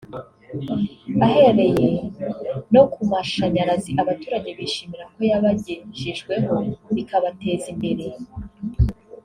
Ahereye no ku mashanyarazi abaturage bishimira ko yabagejejweho bikabateza imbere